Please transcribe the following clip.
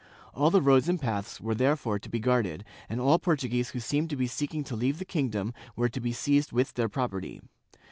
All the roads and paths were therefore to be guarded, and all Portuguese who seemed to be seeking to leave the kingdom were to be seized with their property.